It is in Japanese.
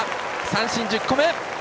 三振１０個目！